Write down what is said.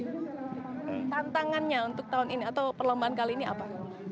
tantangannya untuk tahun ini atau perlombaan kali ini apa